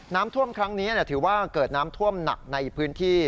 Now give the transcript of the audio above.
น้ำท่วมครั้งนี้ถือว่าเกิดน้ำท่วมหนักในพื้นที่